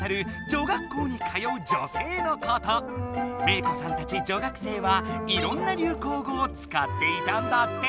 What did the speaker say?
メイ子さんたち女学生はいろんな流行語を使っていたんだって。